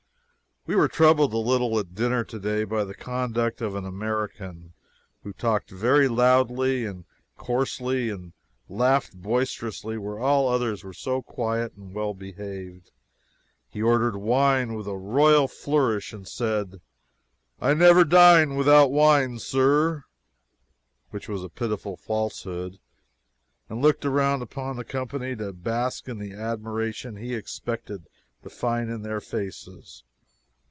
We were troubled a little at dinner today by the conduct of an American, who talked very loudly and coarsely and laughed boisterously where all others were so quiet and well behaved. He ordered wine with a royal flourish and said: "I never dine without wine, sir" (which was a pitiful falsehood), and looked around upon the company to bask in the admiration he expected to find in their faces.